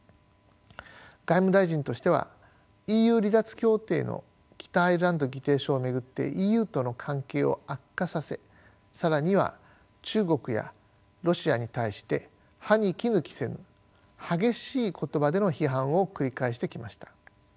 外務大臣としてはＥＵ離脱協定の北アイルランド議定書を巡ってＥＵとの関係を悪化させ更には中国やロシアに対して歯に衣着せぬ激しい言葉での批判を繰り返してきました。